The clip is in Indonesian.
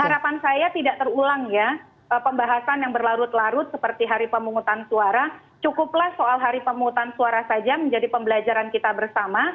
harapan saya tidak terulang ya pembahasan yang berlarut larut seperti hari pemungutan suara cukuplah soal hari pemungutan suara saja menjadi pembelajaran kita bersama